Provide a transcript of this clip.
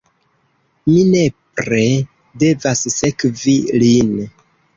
Mi nepre devas sekvi lin.